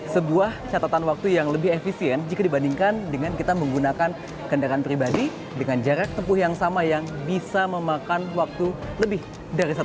sebuah catatan waktu yang lebih efisien jika dibandingkan dengan kita menggunakan kendaraan pribadi dengan jarak tempuh yang sama yang bisa memakan waktu lebih dari satu jam